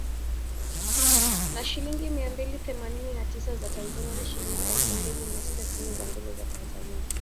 Na shilingi mia mbili themanini na tisa za Tanzania hadi shilingi elfu mbili mia sita tisini na mbili za Tanzania kwa lita